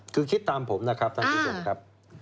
คือคิดตามผมนะครับท่านผู้ชมครับ